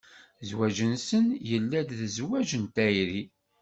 Zzwaǧ-nsen yella-d d zzwaǧ n tayri.